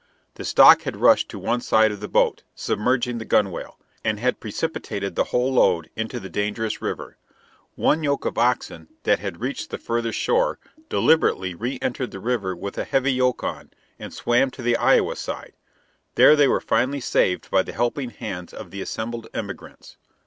The stock had rushed to one side of the boat, submerging the gunwale, and had precipitated the whole load into the dangerous river. One yoke of oxen that had reached the farther shore deliberately reëntered the river with a heavy yoke on, and swam to the Iowa side; there they were finally saved by the helping hands of the assembled emigrants.